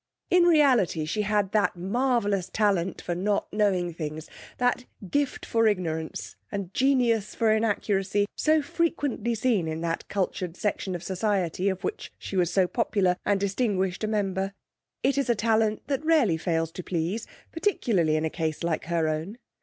In reality she had that marvellous talent for not knowing things, that gift for ignorance, and genius for inaccuracy so frequently seen in that cultured section of society of which she was so popular and distinguished a member. It is a talent that rarely fails to please, particularly in a case like her own.